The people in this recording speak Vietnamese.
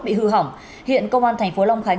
bị hư hỏng hiện công an thành phố long khánh